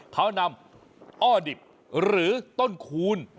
เขานำอ้อดิบหรือต้นคูณ